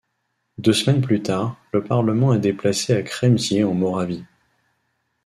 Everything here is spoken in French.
Deux semaines plus tard, le Parlement est déplacé à Kremsier en Moravie.